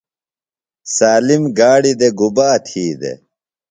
سالم گاڑیۡ دےۡ گُبا تھی دےۡ؟